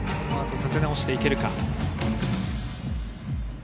立て直していけるか。